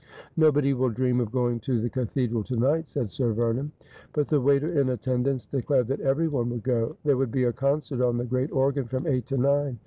'Nobody will dream of going to the cathedral to night,' said Sir Vernon. But the waiter in attendance declared that everyone would go. There would be a concert on the great organ from eight to nine.